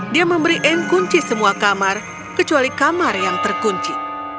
dia memberi anne kunci semua kamar kecuali kamar yang terkunci